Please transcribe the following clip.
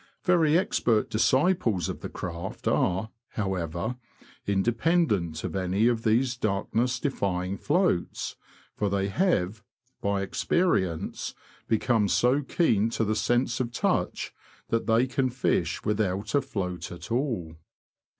Very expert disciples of the craft are, however, independent of any of these darkness defying floats, for they have, by experience, become so keen to the sense of touch that they can fish without a float at all.